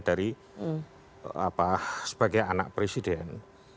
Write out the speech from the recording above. dari sebagai anak presiden